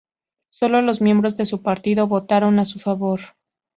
Sólo los miembros de su partido votaron a su favor.